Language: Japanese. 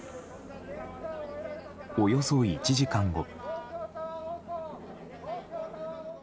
およそ１時間後。